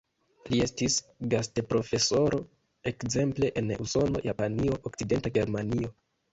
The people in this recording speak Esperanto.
Li estis gastoprofesoro ekzemple en Usono, Japanio, Okcidenta Germanio.